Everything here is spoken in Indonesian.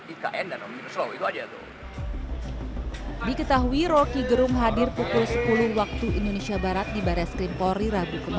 ikn dan omnibus law itu aja tuh